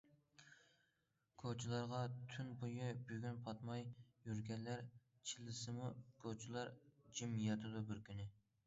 كوچىلارغا تۈن بويى بۈگۈن پاتماي يۈرگەنلەر، چىللىسىمۇ كوچىلار جىم ياتىدۇ بىر كۈنى.